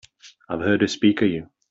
I've heard her speak of you.